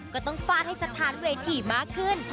ก็ต้องฟาดให้สถานเวทีมากขึ้น